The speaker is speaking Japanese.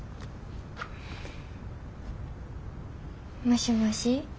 もしもし。